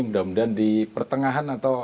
mudah mudahan di pertengahan atau